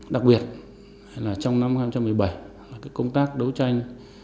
đặc biệt là trong năm hai nghìn một mươi bảy công tác đấu tranh